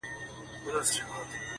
زه کومه لار چې خپله لار وګڼم